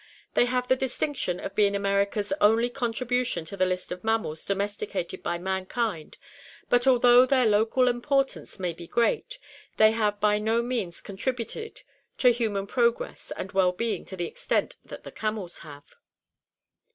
They have the dis tinction of being America's only contribution to the list of mammals domesticated by mankind, but although their local importance may be great, they have by no means contributed to human progress and well being to the extent that the camels have.